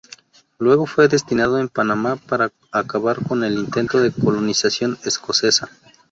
Luego fue destinado en Panamá para acabar con el intento de colonización escocesa.